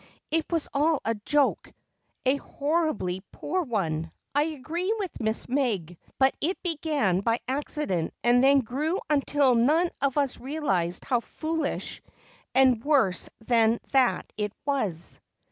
"It was all a joke, a horribly poor one, I agree with Miss Meg. But it began by accident and then grew until none of us realized how foolish and worse than that it was.